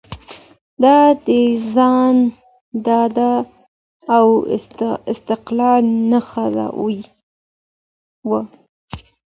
دا د ځان ډاډ او استقلال نښه وه.